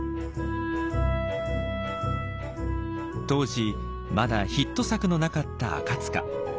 当時まだヒット作のなかった赤。